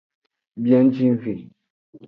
Biejenve.